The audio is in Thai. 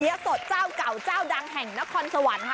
สดเจ้าเก่าเจ้าดังแห่งนครสวรรค์ค่ะ